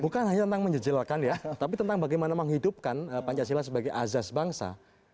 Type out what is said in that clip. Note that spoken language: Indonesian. bukan hanya tentang menjejelkan ya tapi tentang bagaimana menghidupkan pancasila sebagai azas bangsa